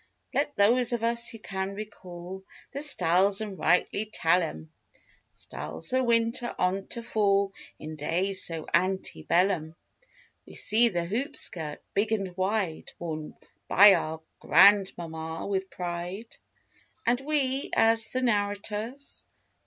Let those of us who can recall The styles and rightly tell 'em; Styles for winter on to fall In days so ante bellum; We see the hoop skirt, big and wide Worn by our grand mam ma with pride; And we, as the narrators.